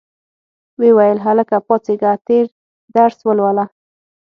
ویې ویل هلکه پاڅیږه تېر درس ولوله.